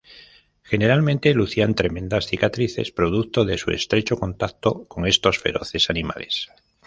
Generalmente lucían tremendas cicatrices, producto de su estrecho contacto con estos feroces animales.